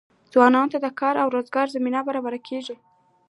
ځوانانو ته د کار او روزګار زمینه برابریږي.